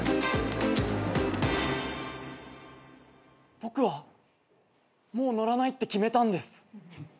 僕はもう乗らないって決めたんです。